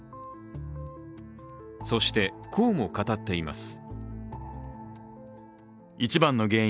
そして、こうも語っています。